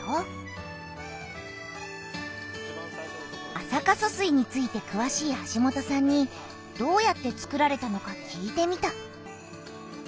安積疏水についてくわしい橋本さんにどうやってつくられたのか聞いてみた。